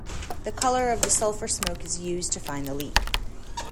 The color of the sulfur smoke is used to find the leak.